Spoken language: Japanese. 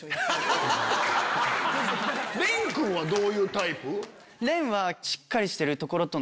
廉君はどういうタイプ？